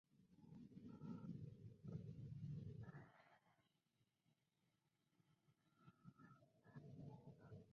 Vuelve en Teleset, como participación especial, en la telenovela "Operación Alligator", interpretando a "Carolina".